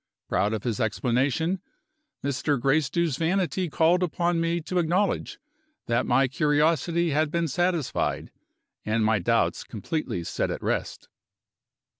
Proud of his explanation, Mr. Gracedieu's vanity called upon me to acknowledge that my curiosity had been satisfied, and my doubts completely set at rest.